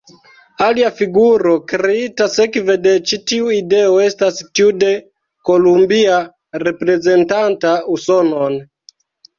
Alia figuro kreita sekve de ĉi tiu ideo estas tiu de Kolumbia reprezentanta Usonon.